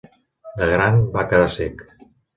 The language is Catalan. De gran, va quedar cec.